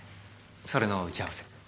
それの打ち合わせ。